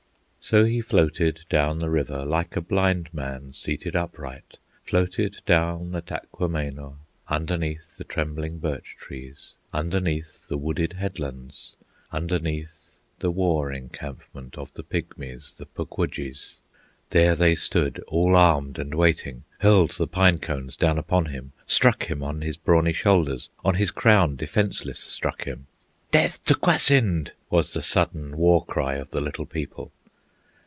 So he floated down the river, Like a blind man seated upright, Floated down the Taquamenaw, Underneath the trembling birch trees, Underneath the wooded headlands, Underneath the war encampment Of the pygmies, the Puk Wudjies. There they stood, all armed and waiting, Hurled the pine cones down upon him, Struck him on his brawny shoulders, On his crown defenceless struck him. "Death to Kwasind!" was the sudden War cry of the Little People.